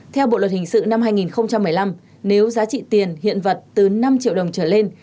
theo bộ luật hình sự năm hai nghìn một mươi năm nếu giá trị tiền hiện vật từ năm triệu đồng trở lên